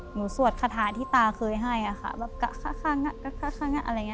หนูสวดคาถาที่ตาเคยให้อะค่ะแบบค่ะค่ะค่ะค่ะอะไรอย่างเงี้ย